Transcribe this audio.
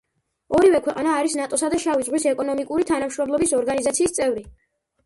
ორივე ქვეყანა არის ნატოსა და შავი ზღვის ეკონომიკური თანამშრომლობის ორგანიზაციის წევრი.